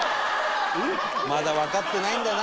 まだわかってないんだな